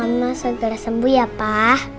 semoga mama segera sembuh ya pak